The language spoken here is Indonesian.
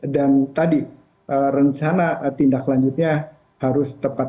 dan tadi rencana tindak lanjutnya harus tepat